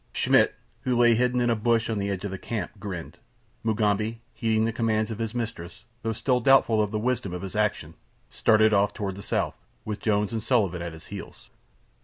Schmidt, who lay hidden in a bush at the edge of the camp, grinned. Mugambi, heeding the commands of his mistress, though still doubtful of the wisdom of his action, started off toward the south, with Jones and Sullivan at his heels.